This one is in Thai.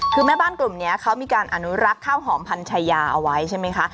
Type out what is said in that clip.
คือแม่บ้านกลุ่มนี้เขามีการอนุรักษ์ข้าวหอมพันชายาเอาไว้ใช่ไหมคะ